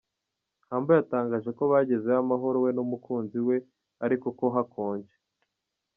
Humble yatangaje ko bagezeyo amahoro we n’umukunzi we ariko ko hakonje.